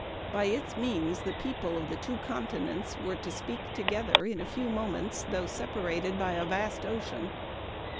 By its means the people of the two great continents were to speak together in a few moments, though separated by a vast ocean.